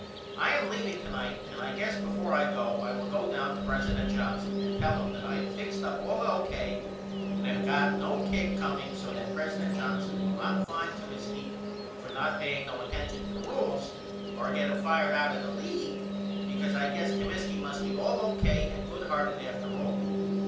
I am leaveing to night and I guess before I go I will go down to president Johnson and tell him that I am fixed up all O.K. and have not got no kick comeing so that president Johnson will not fine Comiskey for not paying no attention to the rules or get him fired out of the league because I guess Comiskey must be all O.K. and good hearted after all.